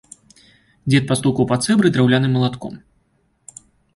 Дзед пастукаў па цэбры драўляным малатком.